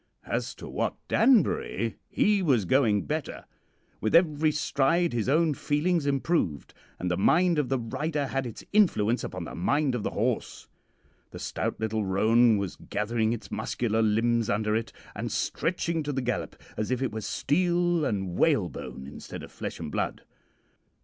As to Wat Danbury, he was going better. With every stride his own feelings improved, and the mind of the rider had its influence upon the mind of the horse. The stout little roan was gathering its muscular limbs under it, and stretching to the gallop as if it were steel and whale bone instead of flesh and blood.